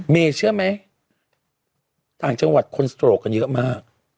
เมย์เชื่อไหมต่างจังหวัดคนสโตรกกันเยอะมาก